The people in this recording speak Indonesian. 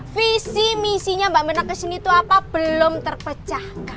visi misinya mbak mena kesini itu apa belum terpecahkan